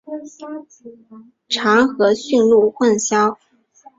常和驯鹿混淆。